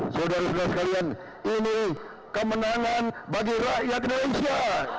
saudara saudara sekalian ini kemenangan bagi rakyat indonesia